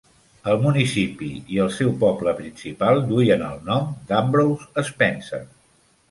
El municipi i el seu poble principal duien el nom d'Ambrose Spencer.